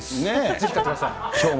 ぜひ買ってください。